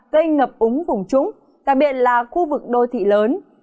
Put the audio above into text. gây ngập úng vùng trũng đặc biệt là khu vực đô thị lớn